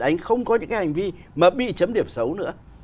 anh không có những cái hành vi mà bị chấm điểm xấu nữa